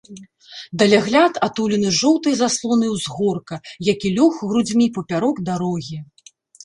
Далягляд атулены жоўтай заслонай узгорка, які лёг грудзьмі папярок дарогі.